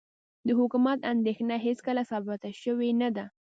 د حکومت اندېښنه هېڅکله ثابته شوې نه ده.